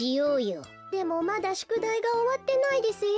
でもまだしゅくだいがおわってないですよ。